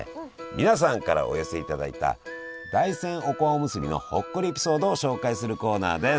皆さんからお寄せいただいた大山おこわおむすびのほっこりエピソードを紹介するコーナーです！